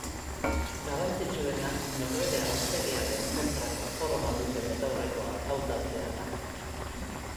Garrantzitsuena norbere aurpegiaren kontrako forma duten betaurrekoak hautatzea da.